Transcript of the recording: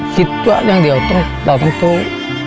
คิดว่าทั้งเดียวต้องเต่าบัตรทั้งทุกข์